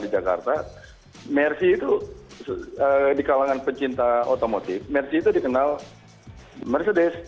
di jakarta mercedes itu di kalangan pecinta otomotif mercedes itu dikenal mercedes